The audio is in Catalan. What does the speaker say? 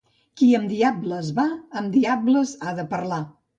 Qui amb diables va, amb diables ha de parlar.